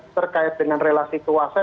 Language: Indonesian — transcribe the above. terkait dengan relasi kuasa